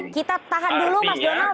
kita tahan dulu mas donald